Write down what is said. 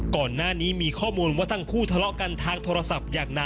ก่อนหน้านี้มีข้อมูลว่าทั้งคู่ทะเลาะกันทางโทรศัพท์อย่างหนัก